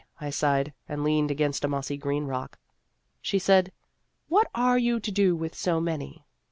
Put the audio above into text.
I sighed, and leaned against a mossy green rock.) She said, "What are you going to do with so many